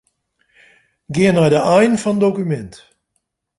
Gean nei de ein fan dokumint.